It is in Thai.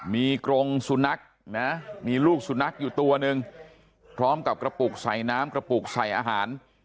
มีกรงสุนัขนะมีลูกสุนัขอยู่ตัวหนึ่งพร้อมกับกระปุกใส่น้ำกระปุกใส่อาหาร